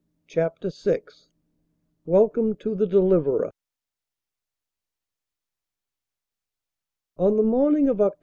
5 CHAPTER VI WELCOME TO THE DELIVERER ON the morning of Oct.